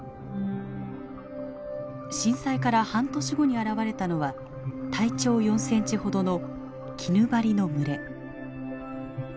震災から半年後に現れたのは体長４センチほどのキヌバリの群れ。